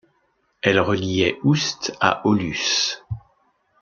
Elle reliait Oust à Aulus.